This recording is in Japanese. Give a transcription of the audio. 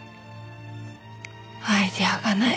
アイデアがない。